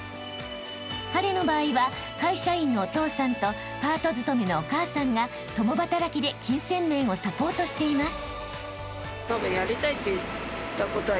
［彼の場合は会社員のお父さんとパート勤めのお母さんが共働きで金銭面をサポートしています］